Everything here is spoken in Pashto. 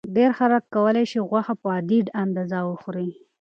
ډېر خلک کولی شي غوښه په عادي اندازه وخوري.